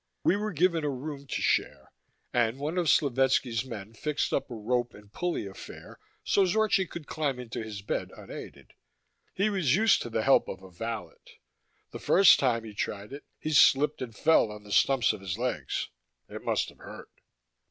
We were given a room to share, and one of Slovetski's men fixed up a rope and pulley affair so Zorchi could climb into his bed unaided. He was used to the help of a valet; the first time he tried it, he slipped and fell on the stumps of his legs. It must have hurt.